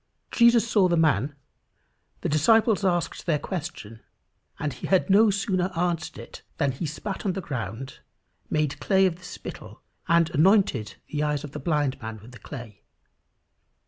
Jesus saw the man, the disciples asked their question, and he had no sooner answered it, than "he spat on the ground, made clay of the spittle, and anointed the eyes of the blind man with the clay."